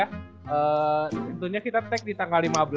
tentunya kita take di tanggal lima belas